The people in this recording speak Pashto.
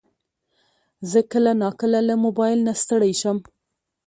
زه کله ناکله له موبایل نه ستړی شم.